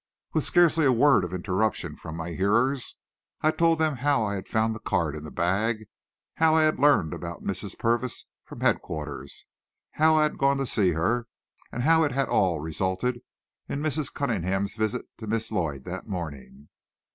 With scarcely a word of interruption from my hearers, I told them how I had found the card in the bag, how I had learned about Mrs. Purvis from headquarters, how I had gone to see her, and how it had all resulted in Mrs. Cunningham's visit to Miss Lloyd that morning.